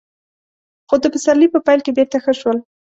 خو د پسرلي په پيل کې بېرته ښه شول.